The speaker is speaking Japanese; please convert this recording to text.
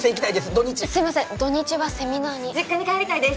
土日すいません土日はセミナーに実家に帰りたいです